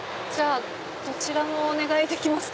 どちらもお願いできますか。